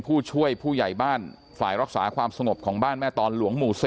ผู้ช่วยผู้ใหญ่บ้านฝ่ายรักษาความสงบของบ้านแม่ตอนหลวงหมู่๔